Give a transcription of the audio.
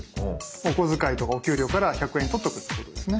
お小遣いとかお給料から１００円取っとくってことですね。